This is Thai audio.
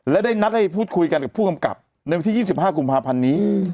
และได้นัดให้พูดคุยกันกับผู้กำกับในวันที่๒๕กุมภาพันธ์นี้